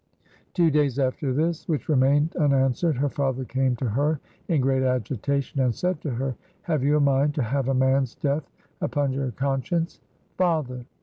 Two days after this, which remained unanswered, her father came to her in great agitation and said to her: "Have you a mind to have a man's death upon your conscience?" "Father!"